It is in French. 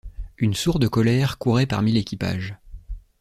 Une sourde colère courait parmi l’équipage.